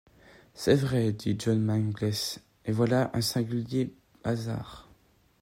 C’est vrai, dit John Mangles, et voilà un singulier hasard!